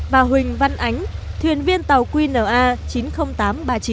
và huỳnh văn ánh thuyền viên tàu queen na chín mươi nghìn tám trăm ba mươi chín